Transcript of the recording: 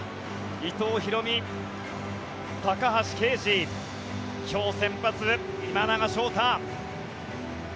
伊藤大海高橋奎二今日先発、今永昇太。